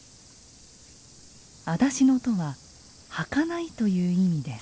あだし野とは「はかない」という意味です。